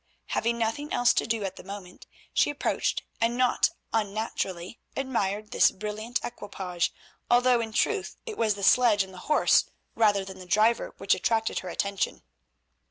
Having nothing else to do at the moment, she approached and not unnaturally admired this brilliant equipage, although in truth it was the sledge and the horse rather than their driver which attracted her attention.